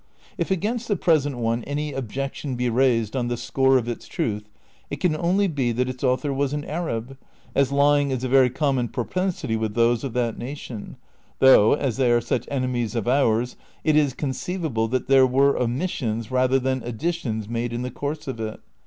If against the present one any objection be raised on the score of its truth, it can only be that its author was an Arab, as lying is a very common propensity with those of that na tion ; though, as they are such enemies of ours, it is conceiv able that there were omissions rather than additions made in the course of it.